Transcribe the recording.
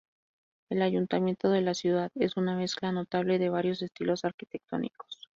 El ayuntamiento de la ciudad es una mezcla notable de varios estilos arquitectónicos.